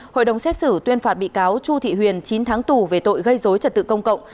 hội đồng xét xử tuyên phạt bị cáo chu thị huyền chín tháng tù về tội gây dối trật tự công cộng